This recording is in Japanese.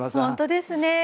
本当ですね。